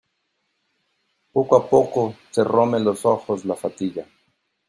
poco a poco cerróme los ojos la fatiga